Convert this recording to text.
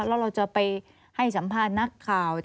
แล้วเราจะไปให้สัมภาษณ์นักข่าว